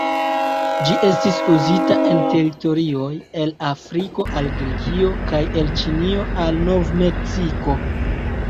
Ĝi estis uzita en teritorioj el Afriko al Grekio kaj el Ĉinio al Nov-Meksiko.